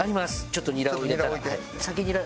ちょっとニラを入れたら。